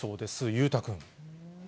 裕太君。